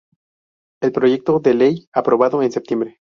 El proyecto de ley aprobado en septiembre.